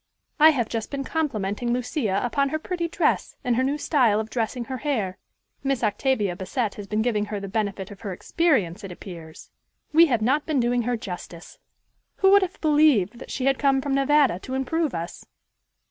I have just been complimenting Lucia upon her pretty dress, and her new style of dressing her hair. Miss Octavia Bassett has been giving her the benefit of her experience, it appears. We have not been doing her justice. Who would have believed that she had come from Nevada to improve us?"